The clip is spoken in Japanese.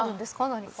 何か。